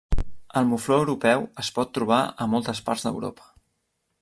El mufló europeu es pot trobar a moltes parts d'Europa.